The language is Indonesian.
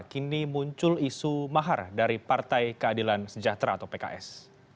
kini muncul isu mahar dari partai keadilan sejahtera atau pks